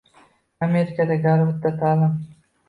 Amerikada Garvardda talim